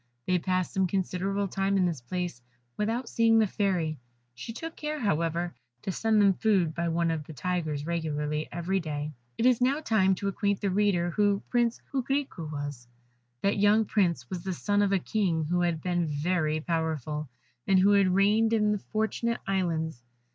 They passed some considerable time in this place without seeing the Fairy, she took care, however, to send them food by one of the Tigers regularly every day. It is now time to acquaint the reader who Prince Coquerico was: That young Prince was the son of a King who had been very powerful, and who had reigned in the Fortunate Islands.